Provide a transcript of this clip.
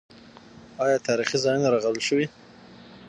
آیا تاریخي ځایونه رغول شوي؟